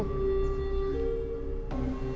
kalian memperhatikan saya